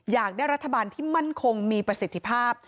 อยากได้รัฐบาลที่มั่นคงมีประสิทธิภาพ